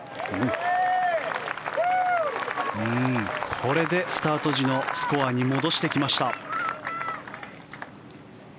これでスタート時のスコアに戻してきました。